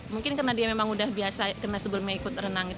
mungkin karena dia sudah biasa ikut renang